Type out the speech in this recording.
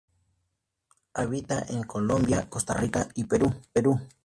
Habita en Colombia, Costa Rica y Perú.